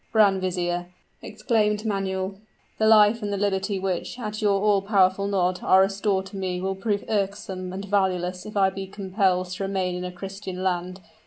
"Grand vizier," exclaimed Manuel, "the life and the liberty which, at your all powerful nod are restored to me will prove irksome and valueless if I be compelled to remain in a Christian land.